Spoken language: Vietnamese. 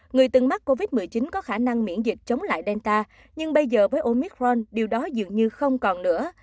người từng mắc covid một mươi chín có khả năng miễn dịch chống lại delta nhưng bây giờ với omicron điều đó dường như không còn nữa